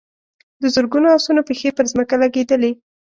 د زرګونو آسونو پښې پر ځمکه لګېدلې.